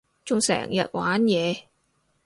仲成日玩嘢